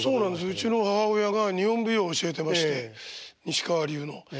うちの母親が日本舞踊教えてまして西川流の。